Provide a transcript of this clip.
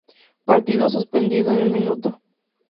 Partido suspendido en el min.